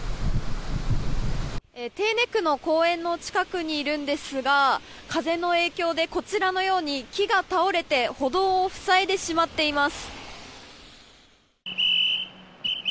手稲区の公園の近くにいるんですが風の影響でこちらのように木が倒れて歩道を塞いでしまっています。